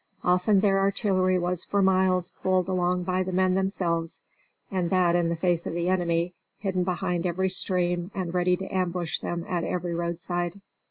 Often their artillery was for miles pulled along by the men themselves, and that in the face of the enemy, hidden behind every stream, and ready to ambush them at every roadside.